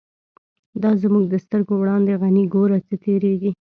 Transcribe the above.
دا زمونږ د سترگو وړاندی «غنی» گوره څه تیریږی